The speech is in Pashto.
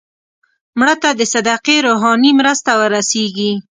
مړه ته د صدقې روحاني مرسته ورسېږي